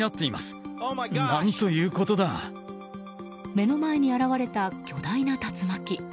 目の前に現れた巨大な竜巻。